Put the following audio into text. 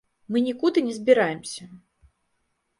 Мы нікуды не збіраемся.